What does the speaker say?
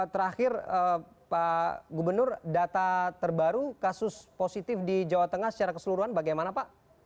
terakhir pak gubernur data terbaru kasus positif di jawa tengah secara keseluruhan bagaimana pak